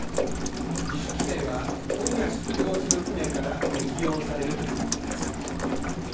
自主規制は今夜、出漁する船から適用されるということです。